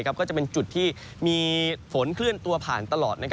ก็จะเป็นจุดที่มีฝนเคลื่อนตัวผ่านตลอด